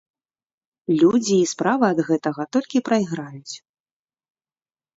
Людзі і справа ад гэтага толькі прайграюць.